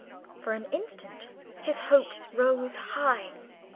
For an instant his hopes rose high.